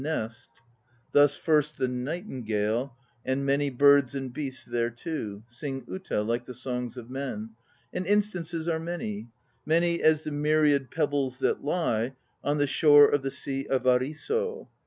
HAKU RAKUTEN 213 Thus first the nightingale, And many birds and beasts thereto, Sing "uta," like the songs of men. And instances are many; Many as the myriad pebbles that lie On the shore of the sea of Ariso.